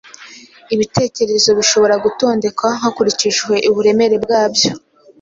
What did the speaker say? Ibitekerezo bishobora gutondekwa hakurikijwe uburemere bwabyo.